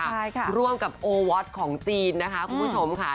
ใช่ค่ะร่วมกับโอวอทของจีนนะคะคุณผู้ชมค่ะ